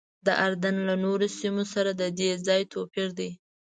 د اردن له نورو سیمو سره ددې ځای توپیر دی.